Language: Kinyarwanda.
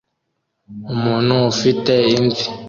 Umuntu ufite imvi